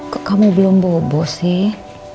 kok kamu belum bobo sih